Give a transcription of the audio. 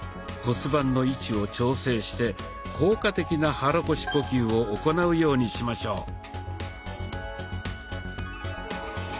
骨盤の位置を調整して効果的な肚腰呼吸を行うようにしましょう。